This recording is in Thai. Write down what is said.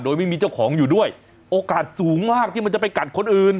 โดยไม่มีเจ้าของอยู่ด้วยโอกาสสูงมากที่มันจะไปกัดคนอื่น